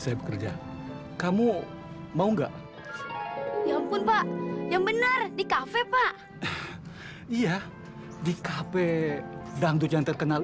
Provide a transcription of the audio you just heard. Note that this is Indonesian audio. saya bekerja kamu mau enggak ya ampun pak yang benar di kafe pak iya di kafe dangdut yang terkenal